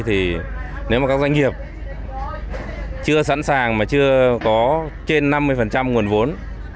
thì nếu mà các doanh nghiệp chưa sẵn sàng mà chưa có trên năm mươi nguồn vốn